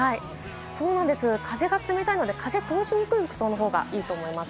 風が冷たいので、風を通しにくい服装のほうがいいと思います。